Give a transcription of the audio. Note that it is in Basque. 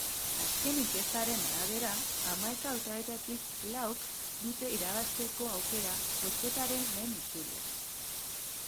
Azken inkesten arabera, hamaika hautagaietatik lauk dute irabazteko aukera bozketaren lehen itzulian.